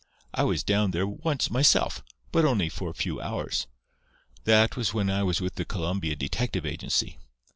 "I was down there, once myself. But only for a few hours. That was when I was with the Columbia Detective Agency.